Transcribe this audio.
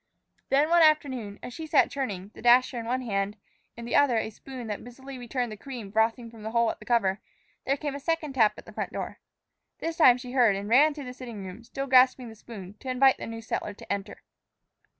Then one afternoon, as she sat churning, the dasher in one hand, in the other a spoon that busily returned the cream frothing from the hole of the cover, there came a second tap at the front door. This time she heard, and ran through the sitting room, still grasping the spoon, to invite the new settler to enter.